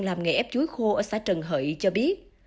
làm nghề ép chuối khô ở xã trần hợi cho biết